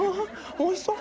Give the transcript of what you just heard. おいしそう！